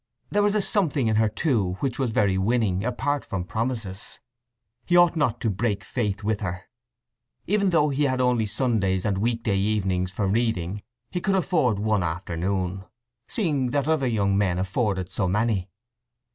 There was a something in her, too, which was very winning, apart from promises. He ought not to break faith with her. Even though he had only Sundays and week day evenings for reading he could afford one afternoon, seeing that other young men afforded so many.